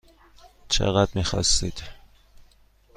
چقدر میخواستید؟